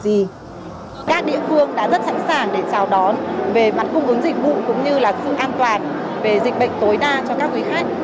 vì các địa phương đã rất sẵn sàng để chào đón về mặt cung ứng dịch vụ cũng như là sự an toàn về dịch bệnh tối đa cho các quý khách